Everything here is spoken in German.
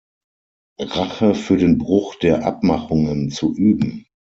Rache für den Bruch der Abmachungen zu üben.